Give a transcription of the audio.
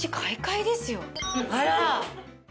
あら！